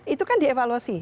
itu kan dievaluasi